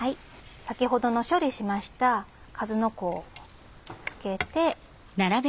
先ほどの処理しましたかずのこを漬けて。